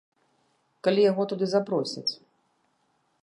Калі яго туды запросяць.